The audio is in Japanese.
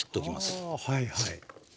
あはいはい。